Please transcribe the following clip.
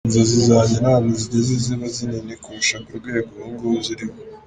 Inzozi zanjye ntabwo zigeze ziba nini kurusha ku rwego ubu ng’ubu ziriho.